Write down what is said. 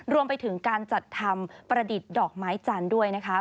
รวมไปถึงการจัดทำประดิษฐ์ดอกไม้จันทร์ด้วยนะคะ